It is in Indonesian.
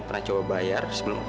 dengan tempat ini